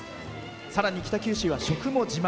さらに北九州は食も自慢。